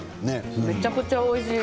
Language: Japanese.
めちゃくちゃおいしい。